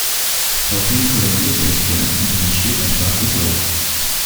Daraufhin kollabiert der Stern und es entsteht ein schwarzes Loch.